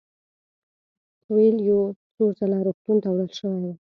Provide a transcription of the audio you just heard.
کویلیو څو ځله روغتون ته وړل شوی و.